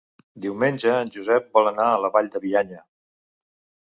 Diumenge en Josep vol anar a la Vall de Bianya.